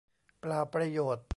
เปล่าประโยชน์